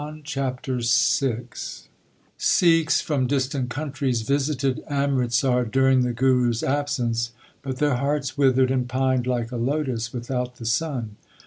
CHAPTER VI Sikhs from distant countries visited Amritsar during the Guru s absence, but their hearts withered and pined like a lotus without the sun.